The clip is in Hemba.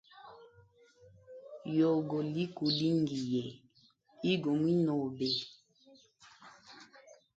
Yogo likulingiye igo mwinobe.